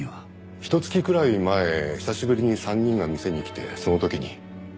ひと月くらい前久しぶりに３人が店に来てその時に。